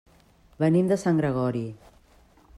Venim de Sant Gregori.